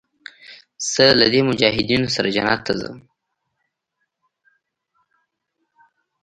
زه له دې مجاهدينو سره جنت ته ځم.